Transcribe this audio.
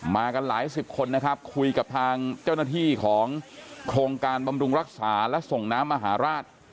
มากันหลายสิบคนนะครับคุยกับทางเจ้าหน้าที่ของโครงการบำรุงรักษาและส่งน้ำมหาราช